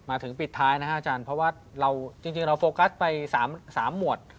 มาถึงปิดท้ายนะครับอาจารย์เพราะว่าเราจริงเราโฟกัสไป๓หมวด